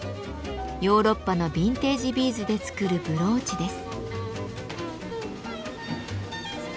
ヨーロッパのビンテージビーズで作るブローチです。